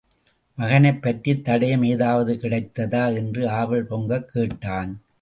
மகனைப் பற்றித் தடயம் ஏதாவது கிடைத்ததா என்று ஆவல் பொங்கக் கேட்டான்.